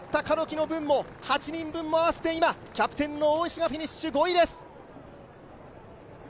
カロキの分も、８人分も合わせて今、キャプテンの大石がフィニッシュ、５位です。